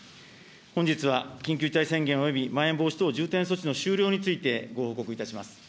本日は緊急事態宣言およびまん延防止等重点措置の終了についてご報告いたします。